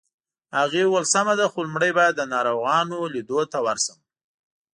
هغې وویل: سمه ده، خو لومړی باید د ناروغانو لیدو ته ورشم.